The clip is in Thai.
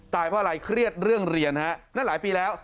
เพราะอะไรเครียดเรื่องเรียนฮะนั่นหลายปีแล้ว